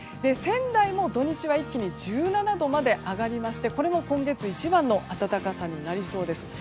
仙台も土日は一気に１７度まで上がりましてこれも今月一番の暖かさになりそうです。